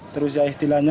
terus ya istilahnya